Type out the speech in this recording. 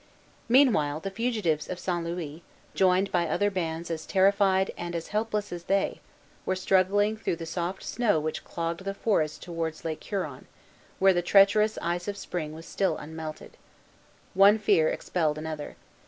Meanwhile the fugitives of St. Louis, joined by other bands as terrified and as helpless as they, were struggling through the soft snow which clogged the forests towards Lake Huron, where the treacherous ice of spring was still unmelted. One fear expelled another.